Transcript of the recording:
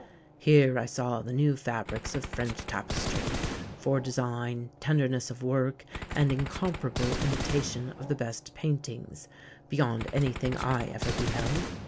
"Here I saw the new fabrics of French tapestry, for design, tenderness of work and incomparable imitation of the best paintings, beyond anything I ever beheld.